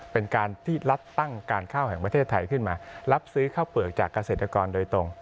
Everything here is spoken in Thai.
เป็นการที่รัฐตั้งการข้าวแห่งประเทศไทยขึ้นมารับซื้อข้าวเปลือกจากเกษตรกรโดยตรง